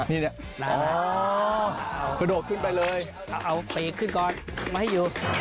ขนาดคนเชี่ยวชานะเนี่ย